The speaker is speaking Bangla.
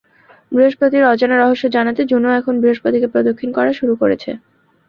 বৃহস্পতির অজানা রহস্য জানাতে জুনো এখন বৃহস্পতিকে প্রদক্ষিণ করা শুরু করেছে।